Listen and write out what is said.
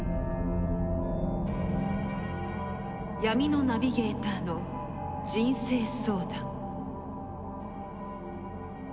闇のナビゲーターの人生相談。